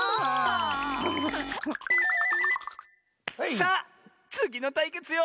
さあつぎのたいけつよ！